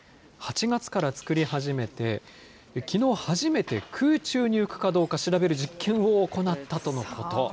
８月から作り始めて、きのう初めて空中に浮くかどうか調べる実験を行ったとのこと。